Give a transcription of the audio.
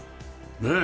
ねえ？